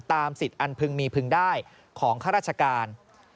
สิทธิ์อันพึงมีพึงได้ของข้าราชการ